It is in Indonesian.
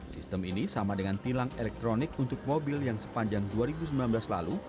sistem ini sama dengan tilang elektronik untuk mobil yang sepanjang dua ribu sembilan belas lalu